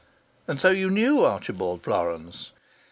"And so you knew Archibald Florance?"